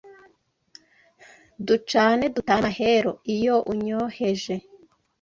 Ducane dutane Mahero iyo unyoheje